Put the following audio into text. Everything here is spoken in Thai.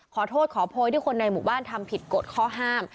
ขอโทษขอโพยที่คนในหมู่บ้านทำผิดกฎข้อห้าม